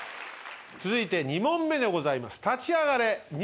続いて２問目でございます。